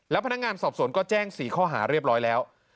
พนักงานสอบสวนก็แจ้ง๔ข้อหาเรียบร้อยแล้ว